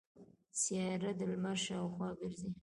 سیاره د لمر شاوخوا ګرځي.